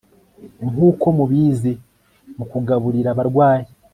Nkuko mubizi mu kugaburira abarwayi